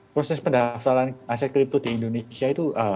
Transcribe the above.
proses pendaftaran aset kripto di indonesia itu